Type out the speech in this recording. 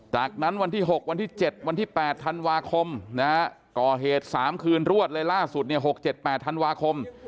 จากนั้นวันที่๖วันที่๗วันที่๘ธันวาคมก่อเหตุ๓คืนรวดเลยล่าสุด๖๗๘ธันวาคม